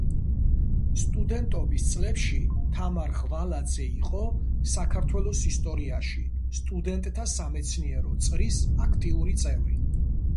სტუდენტობის წლებში თამარ ღვალაძე იყო საქართველოს ისტორიაში სტუდენტთა სამეცნიერო წრის აქტიური წევრი.